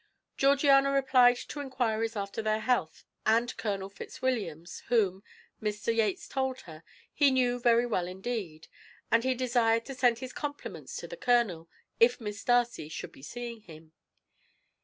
Georgiana replied to inquiries after their health and Colonel Fitzwilliam's, whom, Mr. Yates told her, he knew very well indeed, and he desired to send his compliments to the Colonel, if Miss Darcy should be seeing him.